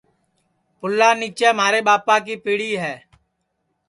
پُلا نیچے مھارے ٻاپا کی پیڑی ہے